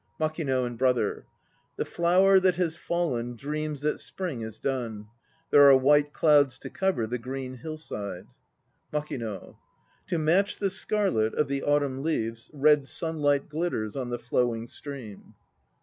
MAKING and BROTHER. The flower that has fallen dreams that Spring is done, There are white clouds to cover The green hillside ... MAKING. To match the scarlet Of the autumn leaves Red sunlight glitters On the flowing stream.